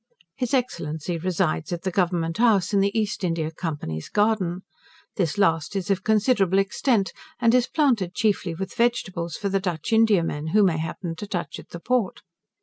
His Excellency resides at the Government house, in the East India Company's garden. This last is of considerable extent, and is planted chiefly with vegetables for the Dutch Indiamen which may happen to touch at the port.